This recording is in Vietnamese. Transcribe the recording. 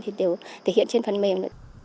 thì đều thể hiện trên phần mềm